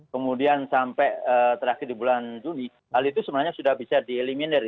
kemudian sampai terakhir di bulan juli hal itu sebenarnya sudah bisa dieliminir